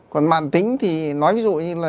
còn mạng tính thì nói ví dụ như là